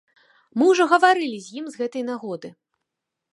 Мы ўжо гаварылі з ім з гэтай нагоды.